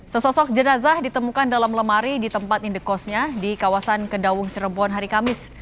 sesosok jenazah ditemukan dalam lemari di tempat indekosnya di kawasan kedawung cirebon hari kamis